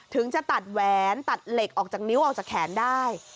ถึงจะตัดแหวนตัดเหล็กออกจากนิ้วออกจากแขนได้